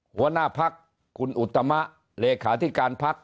หัวหน้าพักคุณอุตมะเลขาธิการพัก